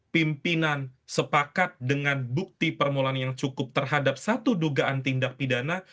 pimpinan sepakat dengan bukti permulaan yang cukup terhadap satu dugaan tindak pidana